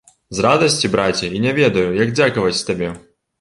З радасці, браце, і не ведаю, як дзякаваць табе.